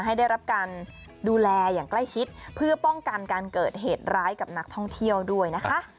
ให้ได้รับการดูแลอย่างใกล้ชิดเพื่อป้องกันการเกิดเหตุร้ายกับนักท่องเที่ยวด้วยนะคะ